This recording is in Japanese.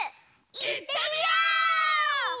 いってみよう！